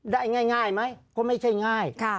ได้ง่ายไหมก็ไม่ใช่ง่าย